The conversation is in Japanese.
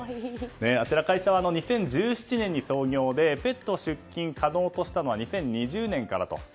こちらの会社は２０１７年に創業でペット出勤可能としたのは２０２０年からと。